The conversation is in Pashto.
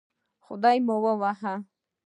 خدای مو ووهه